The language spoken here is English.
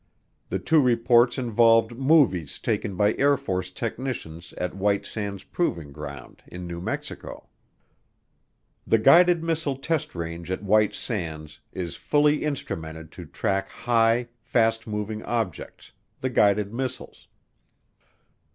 The two reports involved movies taken by Air Force technicians at White Sands Proving Ground in New Mexico. The guided missile test range at White Sands is fully instrumented to track high, fast moving objects the guided missiles.